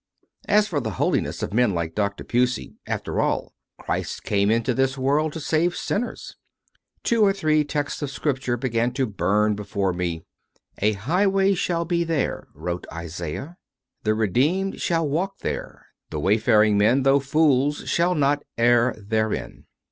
As for the holiness of men like Dr. Pusey after all, "Christ came into this world to save sin 102 CONFESSIONS OF A CONVERT ners." Two or three texts of Scripture began to burn before me. " A highway shall be there," wrote Isaias ;"... the redeemed shall walk there. ... The wayfaring men, though fools, shall not err therein."